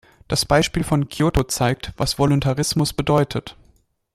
Das Beispiel von Kyoto zeigt, was Voluntarismus bedeutet.